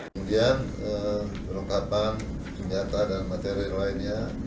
kemudian perlengkapan senjata dan materi lainnya